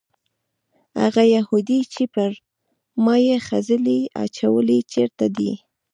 هغه یهودي چې پر ما یې خځلې اچولې چېرته دی؟